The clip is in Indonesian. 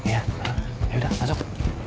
ya udah masuk